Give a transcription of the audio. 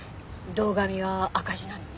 堂上は赤字なのに？